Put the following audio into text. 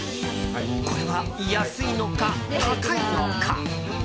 これは安いのか高いのか？